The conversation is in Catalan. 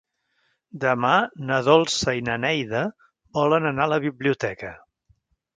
Demà na Dolça i na Neida volen anar a la biblioteca.